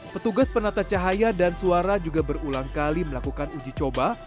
petugas penata cahaya dan suara juga berulang kali melakukan uji coba